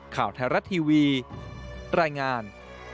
ข่าวไทยรัฐทีวีรายงาน